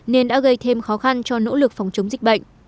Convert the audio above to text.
nên đã gây thêm khó khăn cho nỗ lực phòng chống dịch bệnh